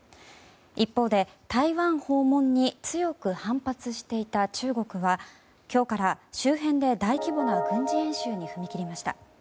一方で、台湾訪問に強く反発していた中国は今日から周辺で大規模な軍事演習に踏み切りました。